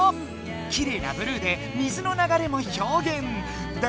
きれいなブルーで水の流れもひょうげん。